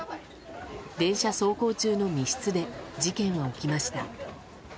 電車走行中の密室で事件は起きました。